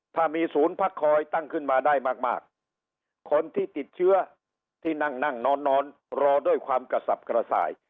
ถ้ามีศูนย์พักคอยตั้งขึ้นมาได้มากคนที่ติดเชื้อที่นั่งนั่งนอนรอด้วยความกระสับกระส่าย